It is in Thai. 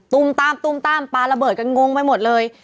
ุ่มตามตุ้มตามปลาระเบิดกันงงไปหมดเลย